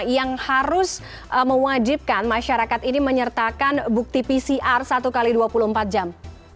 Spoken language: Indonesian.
yang harus mewajibkan masyarakat ini menyertakan bukti pcr satu x dua puluh empat jam